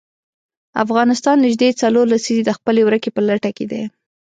افغانستان نژدې څلور لسیزې د خپلې ورکې په لټه کې دی.